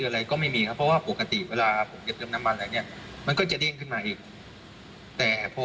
แล้วก็เขาจะทำการดำเนินเรื่องเดียวกับขอยอดคืนนะครับ